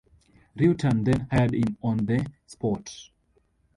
Rutan then hired him on the spot.